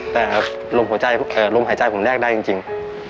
แต่โรงหัวใจเอ่อโรงหายใจผมแนกได้จริงจริง